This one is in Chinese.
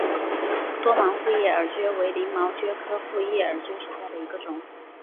多芒复叶耳蕨为鳞毛蕨科复叶耳蕨属下的一个种。